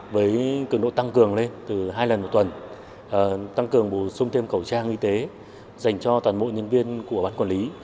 với cường độ tăng cường lên từ hai lần một tuần tăng cường bổ sung thêm cẩu trang y tế dành cho toàn bộ nhân viên của ban quản lý